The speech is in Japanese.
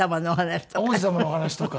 王子様のお話とか。